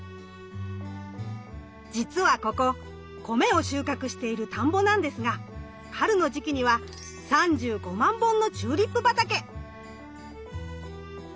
じつはここ米を収穫している田んぼなんですが春の時期には３５万本のチューリップ畑。